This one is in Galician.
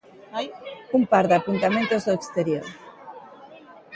Un par de apuntamentos do exterior.